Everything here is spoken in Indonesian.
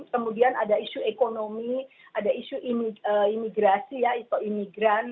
kemudian ada isu ekonomi ada isu imigrasi ya isu imigran